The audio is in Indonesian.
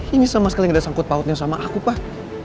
ini sama sekali gak ada sangkut pautnya sama aku pak